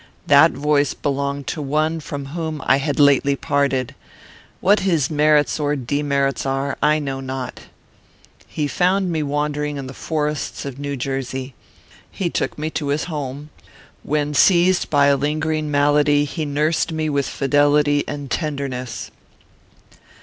"That voice belonged to one from whom I had lately parted. What his merits or demerits are, I know not. He found me wandering in the forests of New Jersey. He took me to his home. When seized by a lingering malady, he nursed me with fidelity and tenderness.